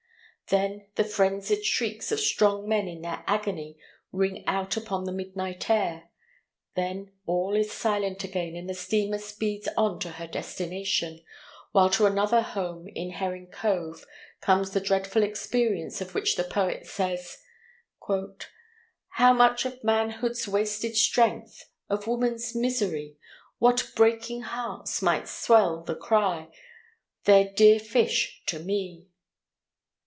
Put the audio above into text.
Then the frenzied shrieks of strong men in their agony ring out upon the midnight air; then all is silent again, and the steamer speeds on to her destination, while to another home in Herring Cove comes the dreadful experience of which the poet says,— "How much of manhood's wasted strength, Of woman's misery,— What breaking hearts might swell the cry, They're dear fish to me."